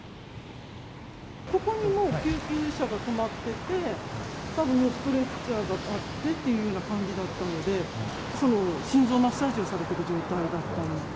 ここにもう、救急車が止まってて、たぶん、ストレッチャーがあってって感じだったので、心臓マッサージをされてる状態だったんです。